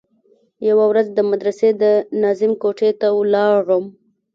يوه ورځ د مدرسې د ناظم کوټې ته ولاړم.